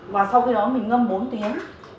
và sau khi đó mình ngâm bốn tiếng